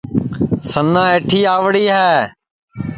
سنا ایٹھی آئوڑی ہے